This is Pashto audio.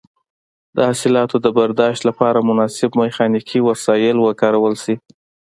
د حاصلاتو د برداشت لپاره مناسب میخانیکي وسایل وکارول شي.